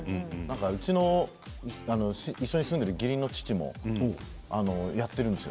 うちの一緒に住んでいる義理の父もやっているんですよ。